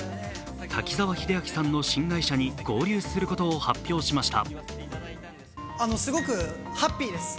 滝沢秀明さんの新会社に合流することを発表しました。